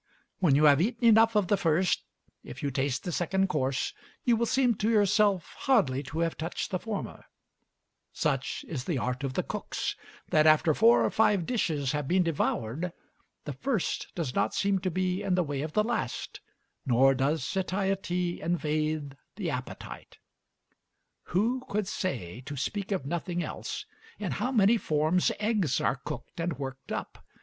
When you have eaten enough of the first, if you taste the second course, you will seem to yourself hardly to have touched the former: such is the art of the cooks, that after four or five dishes have been devoured, the first does not seem to be in the way of the last, nor does satiety invade the appetite.... Who could say, to speak of nothing else, in how many forms eggs are cooked and worked up?